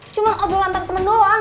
cuma ngobrol tentang temen doang